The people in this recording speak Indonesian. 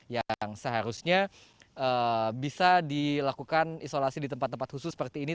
yang seharusnya bisa dilakukan isolasi di tempat tempat khusus seperti ini